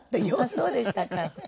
そうでしたか。